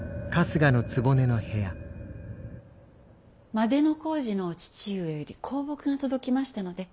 万里小路のお父上より香木が届きましたので。